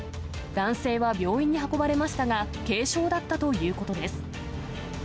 男性は病院に運ばれましたが、軽傷だったということです。